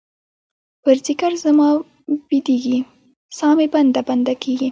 پر ځیګــر زما بیدیږې، سا مې بنده، بنده کیږې